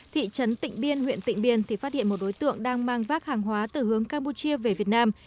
thị trấn tỉnh biên huyện tỉnh biên phát hiện một đối tượng đang mang vác hàng hóa từ hướng campuchia về việt nam